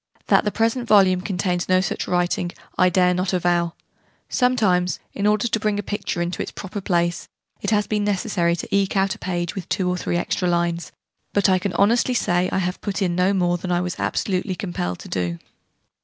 That the present volume contains no such writing I dare not avow: sometimes, in order to bring a picture into its proper place, it has been necessary to eke out a page with two or three extra lines: but I can honestly say I have put in no more than I was absolutely compelled to do.